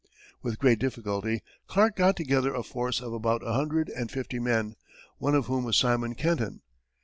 With great difficulty, Clark got together a force of about a hundred and fifty men, one of whom was Simon Kenton.